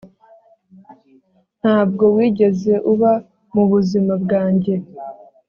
ntabwo wigeze uba mubuzima bwanjye